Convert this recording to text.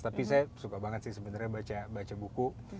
tapi saya suka banget sih sebenarnya baca buku